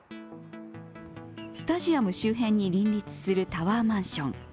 スタジアム周辺に林立するタワーマンション。